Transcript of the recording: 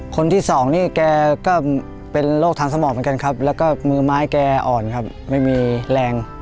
คนที่สองนี่แกก็เป็นโรคทางสมองเหมือนกันครับแล้วก็มือไม้แกอ่อนครับไม่มีแรง